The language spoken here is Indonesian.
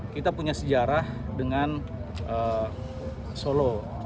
kita punya sejarah dengan solo